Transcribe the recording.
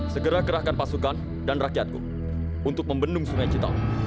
segera kerahkan pasukan dan rakyatku untuk membendung sungai citarum